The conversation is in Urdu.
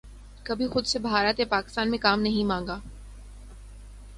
کبھی خود سے بھارت یا پاکستان میں کام نہیں مانگا